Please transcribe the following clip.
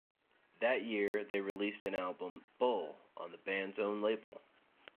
That year they released an album, "Bull" on the band's own label.